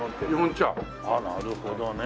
ああなるほどね。